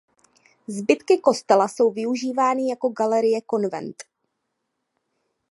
Zbytky kostela jsou využívány jako Galerie Konvent.